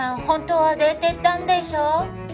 本当は出てったんでしょ？